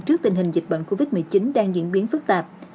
trước tình hình dịch bệnh covid một mươi chín đang diễn biến phức tạp